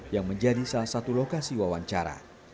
yang menjadi salah satu lokasi wawancara